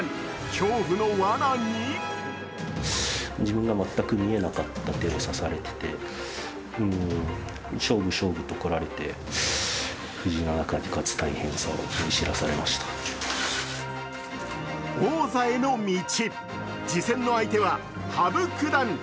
恐怖のわなに王座への道、次戦の相手は羽生九段。